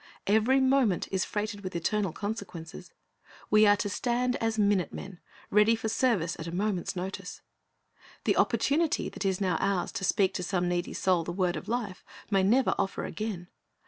Every moment is freighted with eternal consequences. We are to stand as minute men, ready for .service at a moment's notice. The opportunity that is now ours to speak to some needy soul the word of life may never offer again.